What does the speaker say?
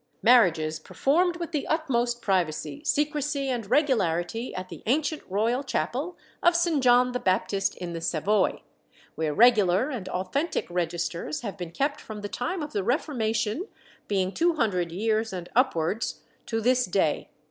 Marriages performed with the utmost privacy, secrecy, and regularity, at the ancient royal chapel of St. John the Baptist in the Savoy, where regular and authentic registers have been kept from the time of the Reformation (being two hundred years and upwards) to this day.